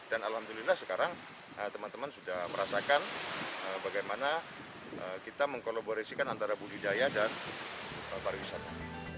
dan alhamdulillah sekarang teman teman sudah merasakan bagaimana kita mengkolaborasikan antara budidaya dan para wisata